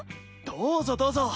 どうぞどうぞ。